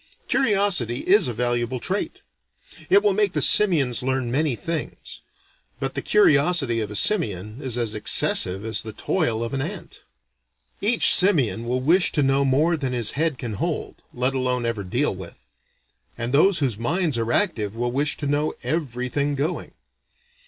Curiosity is a valuable trait. It will make the simians learn many things. But the curiosity of a simian is as excessive as the toil of an ant. Each simian will wish to know more than his head can hold, let alone ever deal with; and those whose minds are active will wish to know everything going.